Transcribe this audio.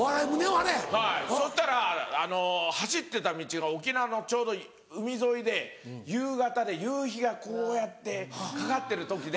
そしたら走ってた道が沖縄のちょうど海沿いで夕方で夕日がこうやってかかってる時で。